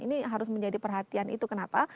ini harus menjadi perhatian itu kenapa